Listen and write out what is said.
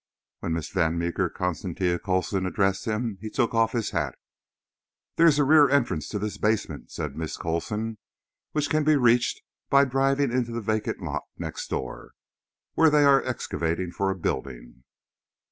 When Miss Van Meeker Constantia Coulson addressed him he took off his hat. "There is a rear entrance to this basement," said Miss Coulson, "which can be reached by driving into the vacant lot next door, where they are excavating for a building.